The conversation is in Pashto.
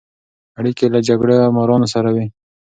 اړیکې له جګړه مارانو سره وې.